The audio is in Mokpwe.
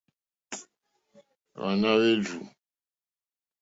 Hwáná hwèrzù.